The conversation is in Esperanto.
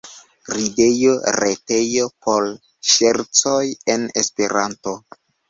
Ridejo, retejo por ŝercoj en Esperanto.